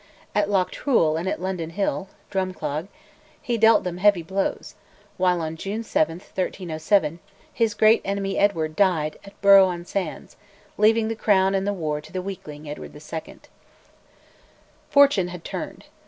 At Loch Trool and at London Hill (Drumclog) he dealt them heavy blows, while on June 7, 1307, his great enemy Edward died at Borough on Sands, leaving the crown and the war to the weakling Edward II. Fortune had turned.